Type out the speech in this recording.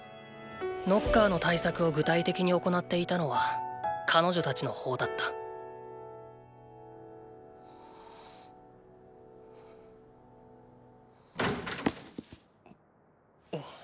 ノッカーの対策を具体的に行っていたのは彼女たちの方だったん。